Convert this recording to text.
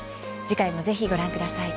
次回もぜひご覧ください。